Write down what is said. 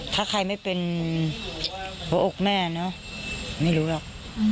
ถ้าใครไม่เป็นหัวอกแม่เนอะไม่รู้หรอก